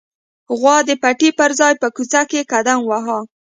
غوا د پټي پر ځای په کوڅه کې قدم واهه.